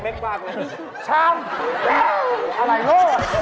อะไรวะครับพี่